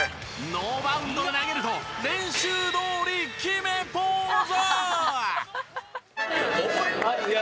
ノーバウンドで投げると練習どおり決めポーズ！